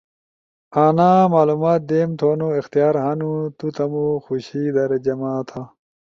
انا معلومات دیم تھونو اختیار ہنو۔ تو تمو خوشی در جمع تھا۔